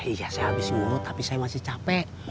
iya saya habis mulut tapi saya masih capek